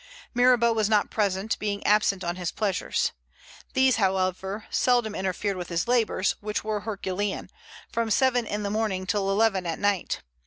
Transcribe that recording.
Mirabeau was not present, being absent on his pleasures. These, however, seldom interfered with his labors, which were herculean, from seven in the morning till eleven at night.